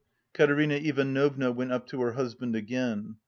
Katerina Ivanovna went up to her husband again.